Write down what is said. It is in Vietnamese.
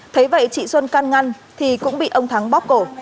thế vậy chị xuân can ngăn thì cũng bị ông thắng bóp cổ